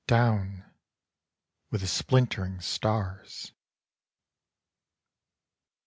Down with the splintering stars.